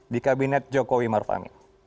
di kabinet jokowi marfamin